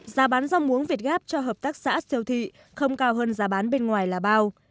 giá bán rau muống việt gáp cho hợp tác xã siêu thị không cao hơn giá bán bên ngoài là bao